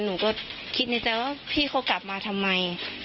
หนูก็คิดในใจว่าพี่เขากลับมาทำไม